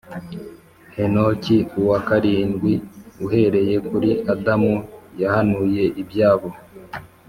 henoki uwa karindwi uhereye kuri adamu yahanuye ibyabo